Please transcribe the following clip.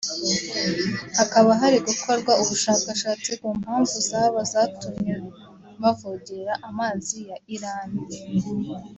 hakaba hari gukorwa ubushakashatsi ku mpamvu zaba zatumye bavogera amazi ya Iran